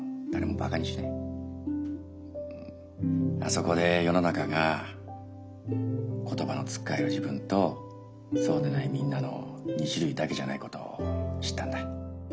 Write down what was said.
あそこで世の中が「言葉のつっかえる自分」と「そうでないみんな」の２種類だけじゃないことを知ったんだ。